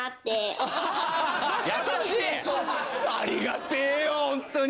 ありがてぇよホントに。